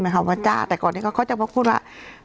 พิมพ์คำว่าจ้าแต่ก่อนต้นเขาเขาจะพอพูดว่า